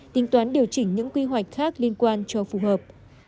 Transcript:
tính toán điều chỉnh những quy hoạch khác liên quan cho phù hợp